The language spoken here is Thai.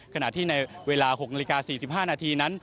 ขณะที่ในเวลา๖นาฬิกา๔๕นาทีนั้น